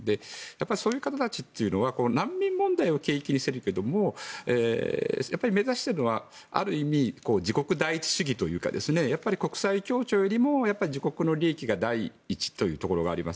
そういう方たちは難民問題を契機にしているけど目指しているのはある意味、自国第一主義というかやっぱり国際協調よりも自国の利益が第一というところがあります。